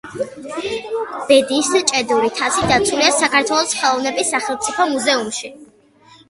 ბედიის ჭედური თასი დაცულია საქართველოს ხელოვნების სახელმწიფო მუზეუმში.